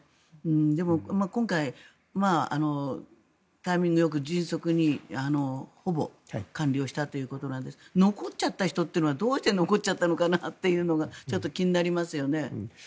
でも今回、タイミングよく迅速にほぼ完了したということなので残っちゃった人っていうのはどうして残っちゃったのかなというのがちょっと気になりますよね。